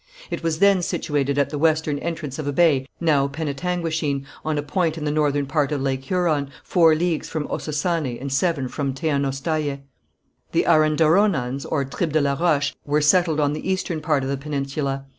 It was then situated at the western entrance of a bay now Penetanguishene, on a point in the northern part of Lake Huron, four leagues from Ossossané and seven from Teanaustayaé. The Arendarrhonons, or tribe de la Roche, were settled on the eastern part of the peninsula.